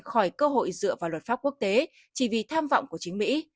khỏi cơ hội dựa vào luật pháp quốc tế chỉ vì tham vọng của chính mỹ